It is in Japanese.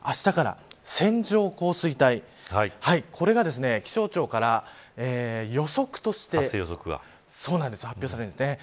線状降水帯これが気象庁から予測として発表されるんですね。